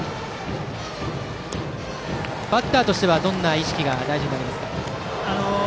バッターとしてはどんな意識が大事ですか？